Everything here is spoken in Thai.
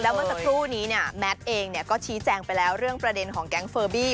เมื่อสักครู่นี้เนี่ยแมทเองก็ชี้แจงไปแล้วเรื่องประเด็นของแก๊งเฟอร์บี้